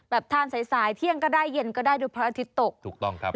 ทานสายสายเที่ยงก็ได้เย็นก็ได้ดูพระอาทิตย์ตกถูกต้องครับ